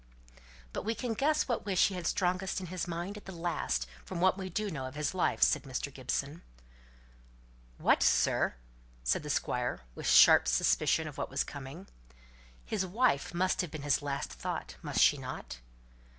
"But we can guess what wish he had strongest in his mind at the last, from what we do know of his life," said Mr. Gibson. "What, sir?" said the Squire, with sharp suspicion of what was coming. "His wife must have been his last thought, must she not?"